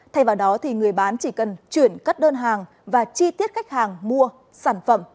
thay vào đó người bán chỉ cần chuyển các đơn hàng và chi tiết khách hàng mua sản phẩm